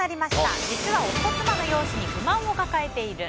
実は夫・妻の容姿に不満を抱えている。